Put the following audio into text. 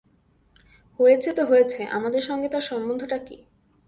হয়েছে তো হয়েছে, আমাদের সঙ্গে তার সম্বন্ধটা কী!